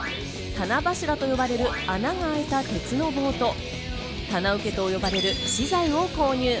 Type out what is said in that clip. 棚柱と呼ばれる穴があいた鉄の棒と棚受けと呼ばれる資材を購入。